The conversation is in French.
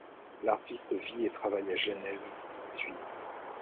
L’artiste vit et travaille à Genève, Suisse.